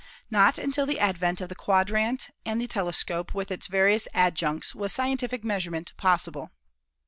Not until the advent of the quadrant and the telescope with its various adjuncts was scientific measurement possible.